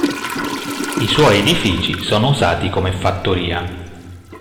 I suoi edifici sono usati come fattoria.